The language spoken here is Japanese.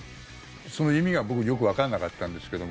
その意味が僕よくわからなかったんですけど。